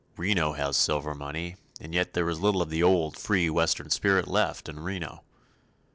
Reno has silver money, and yet there is little of the old, free Western spirit left in Reno.